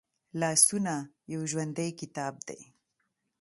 لاسونه یو ژوندی کتاب دی